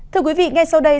thưa quý vị ngay sau đây